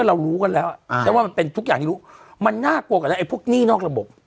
เรารู้กันแล้วแต่ว่ามันเป็นทุกอย่างมันน่ากลัวกับพวกหนี้นอกระบบ